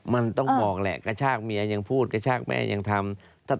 มันต้องบอกแหละกระชากเมียยังพูดกระชากแม่ยังทำ